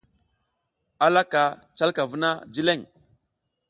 A laka calka vuna jileƞ.